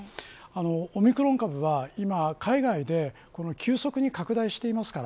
オミクロン株は今海外で急速に拡大していますから